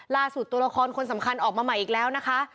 ตัวละครคนสำคัญออกมาใหม่อีกแล้วนะคะ